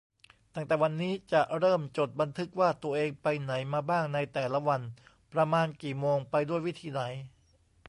ตั้งแต่วันนี้ จะเริ่มจดบันทึกว่าตัวเองไปไหนมาบ้างในแต่ละวัน ประมาณกี่โมง ไปด้วยวิธีไหน